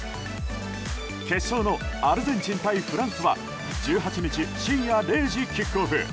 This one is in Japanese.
決勝のアルゼンチン対フランスは１８日深夜０時キックオフ。